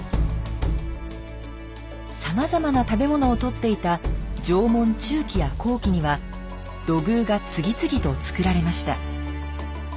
さまざまな食べものをとっていた縄文中期や後期には土偶が次々とつくられました。